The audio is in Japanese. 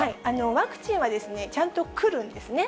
ワクチンはちゃんと来るんですね。